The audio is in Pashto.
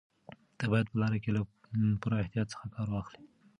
ته باید په لاره کې له پوره احتیاط څخه کار واخلې.